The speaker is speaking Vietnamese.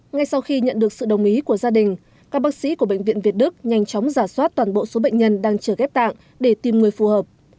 ngay sau khi nhận được sự đồng ý của gia đình các bác sĩ của bệnh viện việt đức nhanh chóng giả soát toàn bộ số bệnh nhân đang chờ ghép tạng để tìm người phù hợp